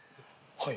はい。